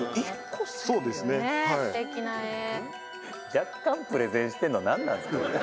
「若干プレゼンしてるのなんなんですかね？